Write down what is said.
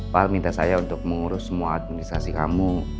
pak minta saya untuk mengurus semua administrasi kamu